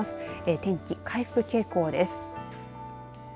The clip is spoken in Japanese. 天気、回復傾向です。